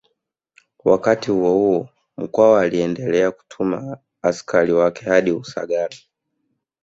Wakati huohuo Mkwawa aliendelea kutuma askari wake hadi Usagara